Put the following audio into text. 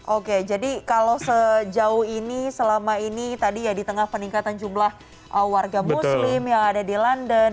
oke jadi kalau sejauh ini selama ini tadi ya di tengah peningkatan jumlah warga muslim yang ada di london